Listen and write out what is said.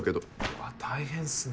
うわ大変っすね。